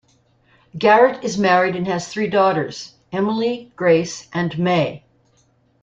Garrett is married and has three daughters, Emily, Grace, and May.